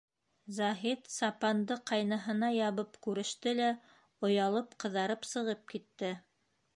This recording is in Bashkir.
Заһит сапанды ҡайныһына ябып күреште лә, оялып ҡыҙарып сығып китте.